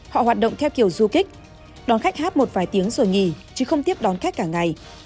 họ hoạt động theo kiểu du kích đón khách hát một vài tiếng rồi nghỉ chứ không tiếp đón khách cả ngày